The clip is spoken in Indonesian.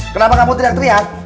kenapa kamu tidak teriak